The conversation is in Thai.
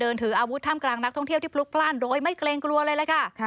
เดินถืออาวุธถ้ำกลางนักท่องเที่ยวที่ปลุกปล้านโดยไม่เกรงกลัวเลยละค่ะ